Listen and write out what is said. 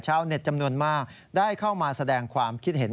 เน็ตจำนวนมากได้เข้ามาแสดงความคิดเห็น